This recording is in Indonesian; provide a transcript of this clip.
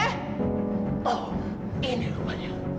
oh ini rupanya